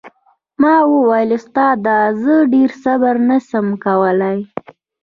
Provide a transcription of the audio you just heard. ما وويل استاده زه ډېر صبر نه سم کولاى.